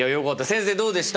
先生どうでした？